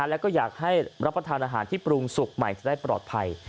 แล้วก็อยากให้รับประทานอาหารที่ปรุงสุกใหม่จะได้ปลอดภัย